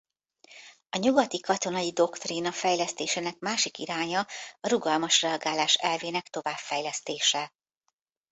A nyugati katonai doktrína fejlesztésének másik iránya a rugalmas reagálás elvének továbbfejlesztése.